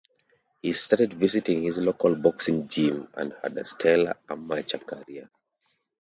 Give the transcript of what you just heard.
He started visiting his local boxing gym, and had a stellar amateur career.